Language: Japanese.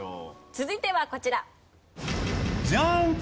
続いてはこちら。